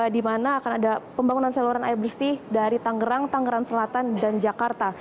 dimana akan ada pembangunan saluran air bersih dari tanggerang tanggerang selatan dan jakarta